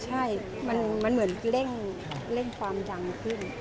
ใช่มันเหมือนเร่งความดังขึ้น